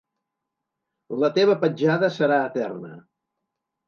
La teva petjada serà eterna.